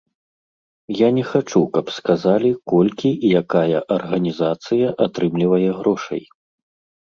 Я не хачу, каб сказалі, колькі і якая арганізацыя атрымлівае грошай.